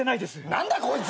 何だこいつ！